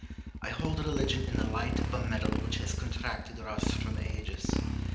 I hold religion in the light of a medal which has contracted rust from ages.